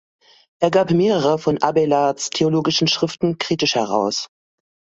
Er gab mehrere von Abaelards theologischen Schriften kritisch heraus.